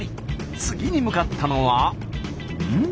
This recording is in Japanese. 次に向かったのはうん？